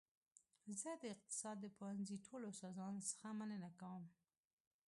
زه د اقتصاد پوهنځي ټولو استادانو څخه مننه کوم